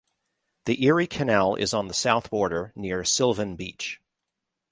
The Erie Canal is on the south border near Sylvan Beach.